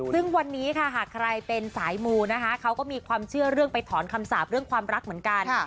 ซึ่งวันนี้ค่ะหากใครเป็นสายมูนะคะเขาก็มีความเชื่อเรื่องไปถอนคำสาปเรื่องความรักเหมือนกัน